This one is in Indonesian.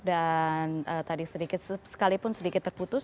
dan tadi sedikit sekalipun sedikit terputus